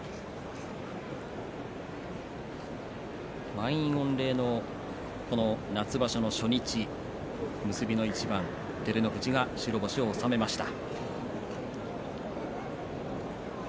満員御礼の、この夏場所の初日結びの一番、照ノ富士が白星を収めました。